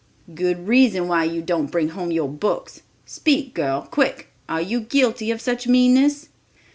Good reason why you don't bring home your books. Speak, girl, quick—are you guilty of such meanness?"